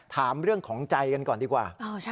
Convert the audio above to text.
ถามเรื่องของใจกันก่อนดีกว่า